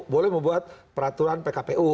boleh membuat peraturan pkpu